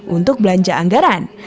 untuk belanja anggaran